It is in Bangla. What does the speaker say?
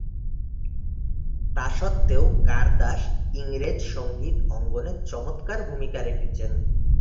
তাস্বত্ত্বেও কারদাস ইংরেজ সঙ্গীত অঙ্গনে চমৎকার ভূমিকা রেখেছেন।